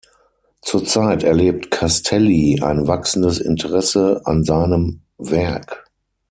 Zurzeit erlebt Castelli ein wachsendes Interesse an seinem Werk.